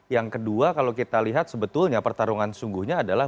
yang kedua kalau kita lihat sebetulnya pertarungan sungguhnya adalah